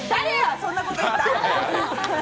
そんなこと言うの。